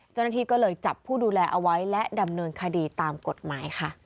เจ้าหน้าที่ก็เลยจับผู้ดูแลเอาไว้และดำเนินคดีตามกฎหมายค่ะ